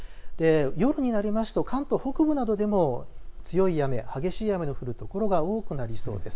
夜になりますと関東北部などでも強い雨、激しい雨の降る所が多くなりそうです。